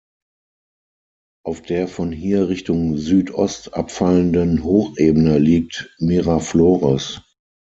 Auf der von hier Richtung Süd-Ost abfallenden Hochebene liegt Miraflores.